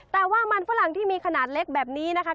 แต่ว่ามันฝรั่งที่มีขนาดเล็กแบบนี้นะคะ